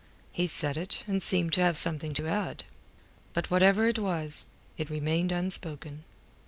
He said it, and seemed to have something to add. But whatever it was, it remained unspoken.